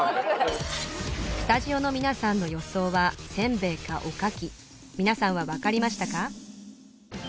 スタジオの皆さんの予想はせんべいかおかき皆さんは分かりましたか？